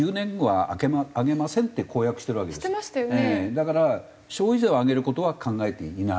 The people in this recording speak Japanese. だから消費税を上げる事は考えていない。